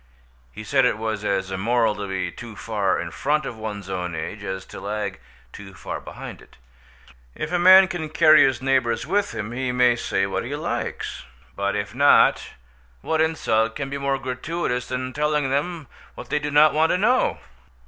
He said it was as immoral to be too far in front of one's own age, as to lag too far behind it. If a man can carry his neighbours with him, he may say what he likes; but if not, what insult can be more gratuitous than the telling them what they do not want to know?